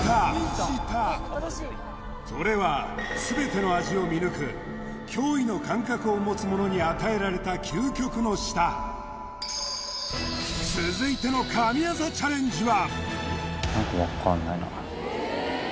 それは全ての味を見抜く驚異の感覚を持つ者に与えられた究極の舌続いての神業チャレンジは？